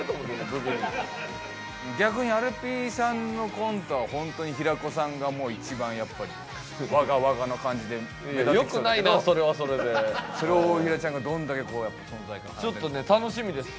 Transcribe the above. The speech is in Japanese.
ブギーズ逆にアルピーさんのコントはホントに平子さんが一番やっぱり我が我がな感じでよくないなそれはそれでそれを大平ちゃんがどんだけこうやっぱ存在感出せるかちょっとね楽しみです